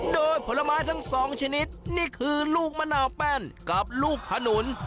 โดยผลไม้ทั้งสองชนิดนี่คือลูกมะนาวแป้นกับลูกขนุน